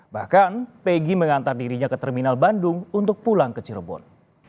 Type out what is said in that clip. bahkan peggy mengantar dirinya ke terminal bandung untuk pulang ke cirebon